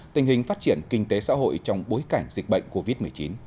tình hình phát triển kinh tế xã hội trong bối cảnh dịch bệnh covid một mươi chín